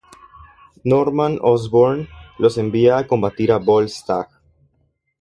Norman Osborn los envía a combatir a Volstagg.